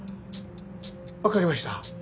わかりました。